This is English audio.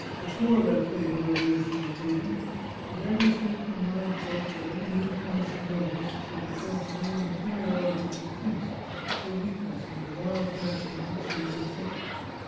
Before that fatal resolution was taken, at every step her mind took, at every new point she noticed, she had felt her own inferiority to the prince, her weakness, and the vile fashion in which she had been tricked.